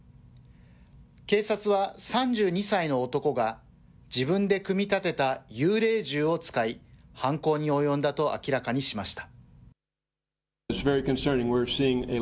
警察は３２歳の男が自分で組み立てた幽霊銃を使い、犯行に及んだと明らかにしました。